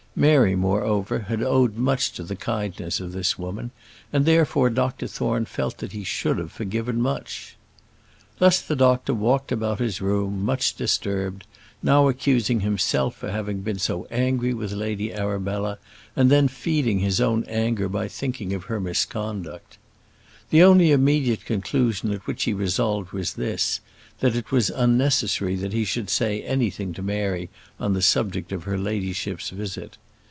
Mary, moreover, had owed much to the kindness of this woman, and, therefore, Dr Thorne felt that he should have forgiven much. Thus the doctor walked about his room, much disturbed; now accusing himself for having been so angry with Lady Arabella, and then feeding his own anger by thinking of her misconduct. The only immediate conclusion at which he resolved was this, that it was unnecessary that he should say anything to Mary on the subject of her ladyship's visit.